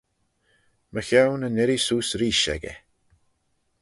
Mychione yn irree seose reesht echey.